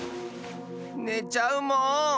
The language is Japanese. ねちゃうもん。